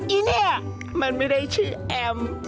อีเนี่ยมันไม่ได้ชื่อแอม